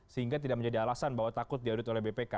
sehingga tidak menjadi alasan bahwa takut diaudit oleh bpk